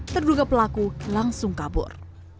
terduga pelaku langsung kabur